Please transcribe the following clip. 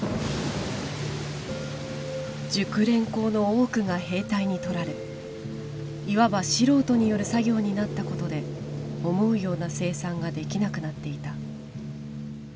熟練工の多くが兵隊にとられいわば素人による作業になったことで思うような生産ができなくなっていた。